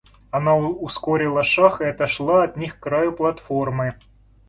Она ускорила шаг и отошла от них к краю платформы.